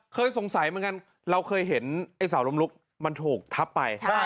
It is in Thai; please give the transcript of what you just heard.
เคยสงสัยเหมือนกันเราเคยเห็นไอ้สาวล้มลุกมันถูกทับไป